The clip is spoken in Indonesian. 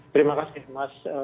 terima kasih mas